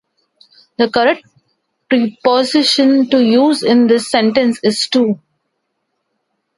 The correct preposition to use in this sentence is "to".